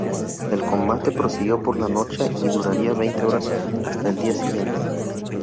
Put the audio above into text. El combate prosiguió por la noche, y duraría veinte horas hasta el día siguiente.